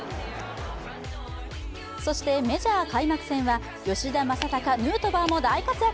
そして、メジャー開幕戦は吉田正尚、ヌートバーも大活躍。